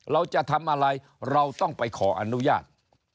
เราจะทำอะไรเราต้องไปขออนุญาต